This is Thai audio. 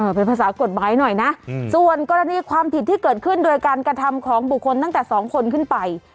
เป็นภาษากฎหมายหน่อยนะส่วนกรณีความผิดที่เกิดขึ้นโดยการกระทำของบุคคลตั้งแต่๒คนขึ้นไป